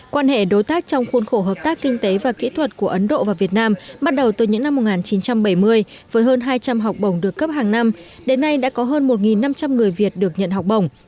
quan hệ đối tác trong khuôn khổ hợp tác kinh tế và kỹ thuật của ấn độ và việt nam bắt đầu từ những năm một nghìn chín trăm bảy mươi với hơn hai trăm linh học bổng được cấp hàng năm đến nay đã có hơn một năm trăm linh người việt được nhận học bổng